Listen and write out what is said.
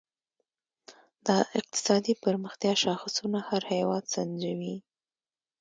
د اقتصادي پرمختیا شاخصونه هر هېواد سنجوي.